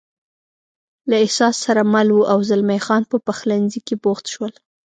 له احساس سره مل و، او زلمی خان په پخلنځي کې بوخت شول.